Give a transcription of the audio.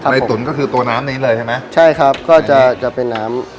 ตุ๋นก็คือตัวน้ำนี้เลยใช่ไหมใช่ครับก็จะจะเป็นน้ำ